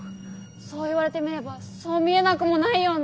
そう言われてみればそう見えなくもないような。